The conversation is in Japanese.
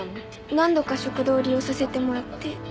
何度か食堂を利用させてもらって。